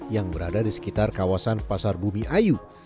yang berada di sekitar kawasan pasar bumi ayu